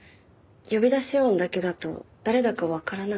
呼び出し音だけだと誰だかわからなくて。